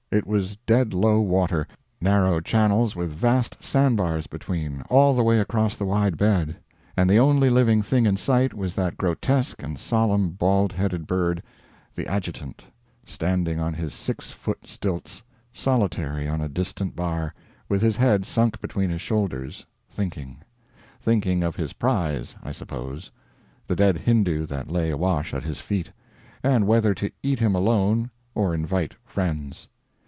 It was dead low water, narrow channels with vast sandbars between, all the way across the wide bed; and the only living thing in sight was that grotesque and solemn bald headed bird, the Adjutant, standing on his six foot stilts, solitary on a distant bar, with his head sunk between his shoulders, thinking; thinking of his prize, I suppose the dead Hindoo that lay awash at his feet, and whether to eat him alone or invite friends.